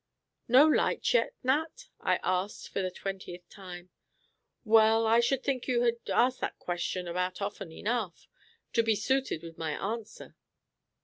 "No light yet, Nat?" I asked, for the twentieth time. "Well, I should think you had asked that question about often enough, to be suited with my answer."